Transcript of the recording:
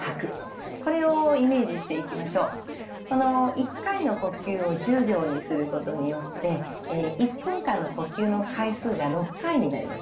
１回の呼吸を１０秒にすることによって１分間の呼吸の回数が６回になります。